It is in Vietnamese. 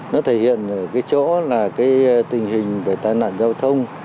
nó thể hiện ở cái chỗ là cái tình hình về tai nạn giao thông